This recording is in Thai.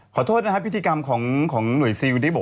ขอโทษนะฮะพิธีกรรมของของหน่วยซีบุริบบอก